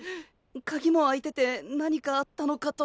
鍵も開いてて何かあったのかと。